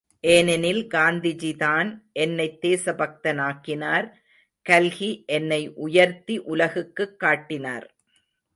ஏனெனில் காந்திஜிதான் என்னைத் தேசபக்தனாக்கினார், கல்கி என்னை உயர்த்தி உலகுக்குக் காட்டினார்.